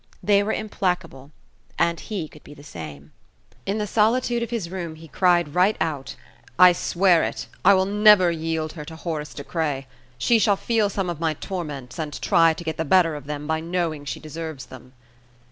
They were implacable. And he could be the same. In the solitude of his room he cried right out: "I swear it, I will never yield her to Horace De Craye! She shall feel some of my torments, and try to get the better of them by knowing she deserves them."